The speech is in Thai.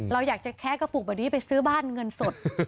เราอยากจะแคะกระปุกแบบนี้ไปซื้อบ้านเงินสด